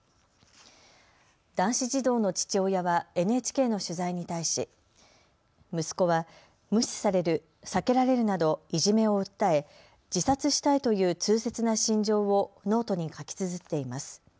男子児童の父親はＮＨＫの取材に対し息子は無視される、避けられるなど、いじめを訴え自殺したいという痛切な心情をノートに書きつづっています。